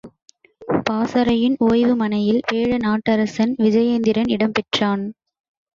பாசறையின் ஒய்வுமனையில் வேழ நாட்டரசன் விஜயேந்திரன் இடம் பெற்றான்.